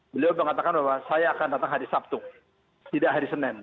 beliau mengatakan bahwa saya akan datang hari sabtu tidak hari senin